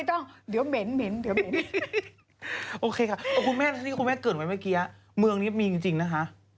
โอเคค่ะมะคุณแม่เมืองนี้มีจริงนะคะ